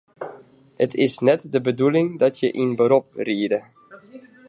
It is net de bedoeling dat je in berop riede.